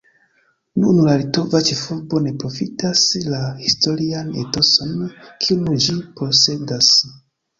Nun la litova ĉefurbo ne profitas la historian etoson, kiun ĝi posedas.